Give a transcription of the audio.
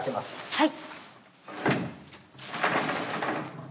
はい。